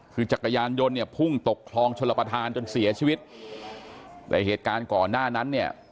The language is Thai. คือจักรยานยนต์เนี่ยพุ่งตกคลองชลประธานจนเสียชีวิตแต่เหตุการณ์ก่อนหน้านั้นเนี่ย